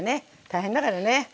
大変だからね。